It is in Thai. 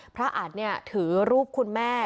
พระอาจเนี่ยถือรูปคุณแม่